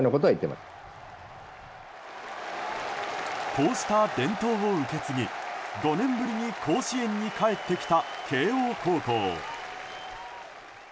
こうした伝統を受け継ぎ５年ぶりに甲子園に帰ってきた慶應高校。